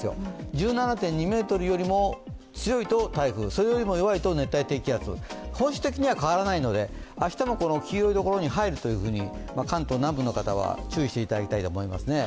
１７．２メートルよりも高いと台風それより弱いと熱帯低気圧、本質的には変わらないで明日もこの黄色いところには入るというふうに関東南部の方は注意していただきたいと思いますね。